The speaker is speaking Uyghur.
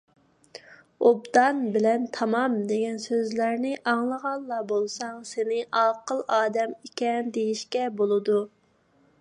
«ئوبدان» بىلەن «تامام» دېگەن سۆزلەرنى ئاڭلىغانلا بولساڭ، سېنى ئاقىل ئادەم ئىكەن دېيىشكە بولىدۇ.